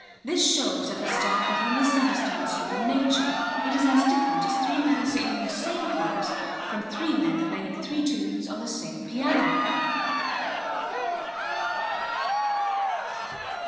This shows at the start that he misunderstands human nature. It is as different as three men singing the same chorus from three men playing three tunes on the same piano.